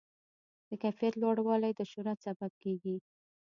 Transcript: د کیفیت لوړوالی د شهرت سبب کېږي.